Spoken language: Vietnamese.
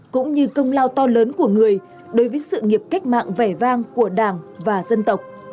cũng như công lao to lớn của người đối với sự nghiệp cách mạng vẻ vang của đảng và dân tộc